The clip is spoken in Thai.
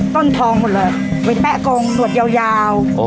ต้นทองหมดเลยแปะกงหนวดยาว